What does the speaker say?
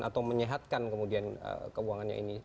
atau menyehatkan kemudian keuangannya ini